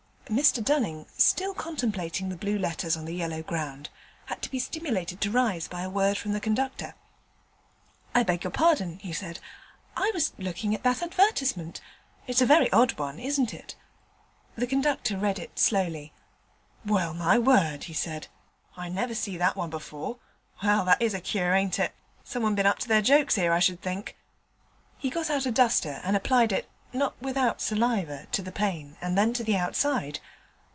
Mr Dunning, still contemplating the blue letters on the yellow ground, had to be stimulated to rise by a word from the conductor. 'I beg your pardon,' he said, 'I was looking at that advertisement; it's a very odd one, isn't it?' The conductor read it slowly. 'Well, my word,' he said, 'I never see that one before. Well, that is a cure, ain't it? Someone bin up to their jokes 'ere, I should think.' He got out a duster and applied it, not without saliva, to the pane and then to the outside.